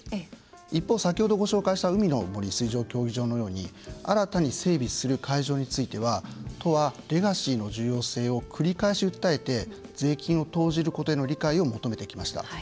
一方先ほどご紹介した海の森水上競技場のように新たに整備する会場については都はレガシーの重要性を繰り返し訴えて税金を投じることへの理解を求めてきました。